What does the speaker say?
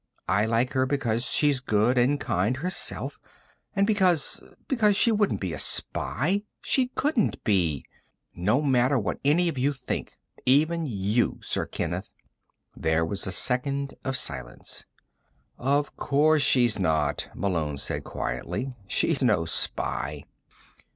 I like her because she's good and kind herself, and because ... because she wouldn't be a spy. She couldn't be. No matter what any of you think ... even you ... Sir Kenneth!" There was a second of silence. "Of course she's not," Malone said quietly. "She's no spy."